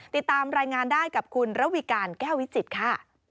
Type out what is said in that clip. ติดตามรายงานได้กับคุณระวีการแก้ววิจิตรค่ะ